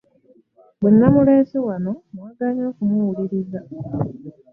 Bwe nnamuleese wano mwagaanyi okumuwuliriza.